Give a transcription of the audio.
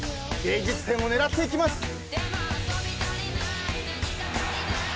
芸術点を狙っていきます。